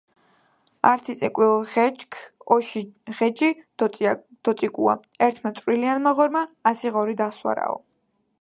ართი წიკვილ ღეჯქ ოში ღეჯი დოწიკუა ერთმა წვირიანმა ღორმა ასი ღორი გასვარაო